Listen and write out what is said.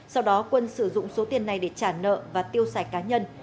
sau đó quân sử dụng số tiền này để trả nợ và tiêu xài cá nhân